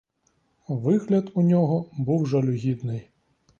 Вигляд у нього був жалюгідний.